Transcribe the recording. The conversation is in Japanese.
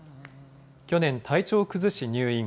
去年、体調を崩し入院。